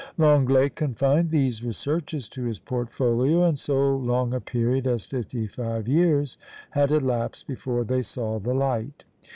Lenglet confined these researches to his portfolio; and so long a period as fifty five years had elapsed before they saw the light.